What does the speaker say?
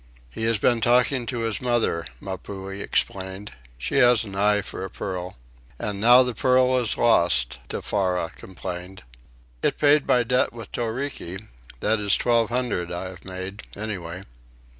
"He has been talking to his mother," Mapuhi explained. "She has an eye for a pearl." "And now the pearl is lost," Tefara complained. "It paid my debt with Toriki. That is twelve hundred I have made, anyway."